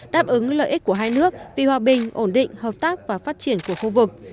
đáp ứng lợi ích của hai nước vì hòa bình ổn định hợp tác và phát triển của khu vực